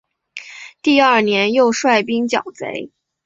第二年又率兵剿贼。